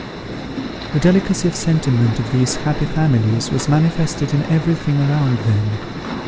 The delicacy of sentiment of these happy families was manifested in every thing around them.